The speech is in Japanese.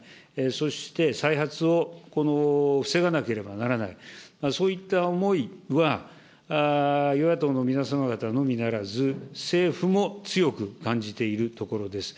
そして再発を防がなければならない、そういった思いは、与野党の皆様方のみならず、政府も強く感じているところです。